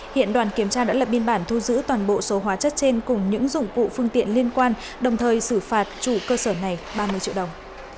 hiện đoàn kiểm tra đã lập biên bản thu giữ toàn bộ số hóa chất trên cùng những dụng cụ phương tiện liên quan đồng thời xử phạt chủ cơ sở này ba mươi triệu đồng